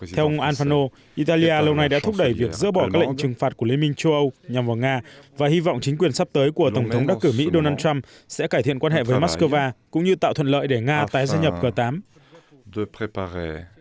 theo ông al fano italia lâu nay đã thúc đẩy việc dỡ bỏ các lệnh trừng phạt của liên minh châu âu nhằm vào nga và hy vọng chính quyền sắp tới của tổng thống đắc cử mỹ donald trump sẽ cải thiện quan hệ với moscow cũng như tạo thuận lợi để nga tái gia nhập g tám